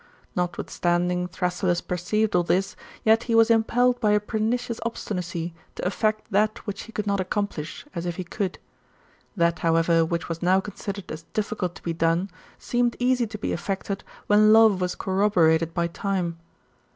Notwithstandihg Thrasyllus perceived all this, yet he was im pelled by a pernicious obstinancy to eifect that which he could not accomplish, as if he could. That, however, which was now considered as difficult to be done, seemed easy to be effected, when love was corroborated by time.